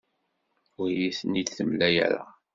Ur iyi-ten-id-temla ara.